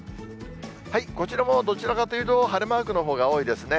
こちらもどちらかというと、晴れマークのほうが多いですね。